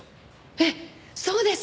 ええそうです。